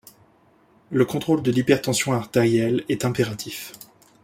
Le contrôle de l'hypertension artérielle est impératif.